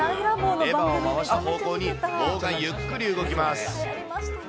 レバーを回した方向に棒がゆっくり動きます。